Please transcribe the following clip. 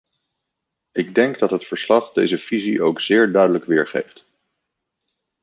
Ik denk dat het verslag deze visie ook zeer duidelijk weergeeft.